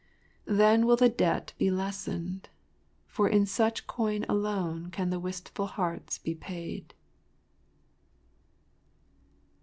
” Then will the debt be lessened—for in such coin alone can the wistful hearts be paid.